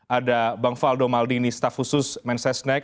ada bang faldo maldini staf khusus mensesnek